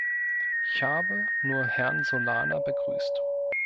Ich habe nur Herrn Solana begrüßt.